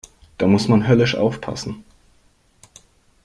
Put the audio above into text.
Da muss man höllisch aufpassen.